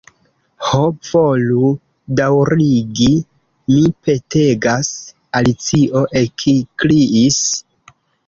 "Ho, volu daŭrigi, mi petegas," Alicio ekkriis.